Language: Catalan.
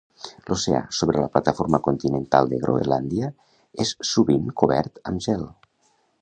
L'oceà sobre la plataforma continental de Groenlàndia és sovint cobert amb gel.